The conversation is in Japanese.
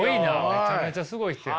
めちゃめちゃすごい人や。